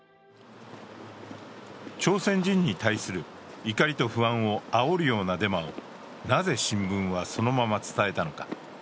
朝鮮人に対する怒りと不安をあおるようなデマをなぜ新聞はそのまま伝えたのか。